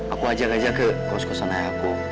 aku ajak ajak ke kos kosan ayahku